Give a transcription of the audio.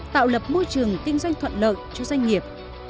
tạo lập môi trường kinh doanh thuận lợi cho doanh nghiệp